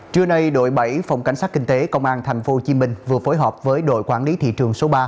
trưa nay đội bảy phòng cảnh sát kinh tế công an thành phố hồ chí minh vừa phối hợp với đội quản lý thị trường số ba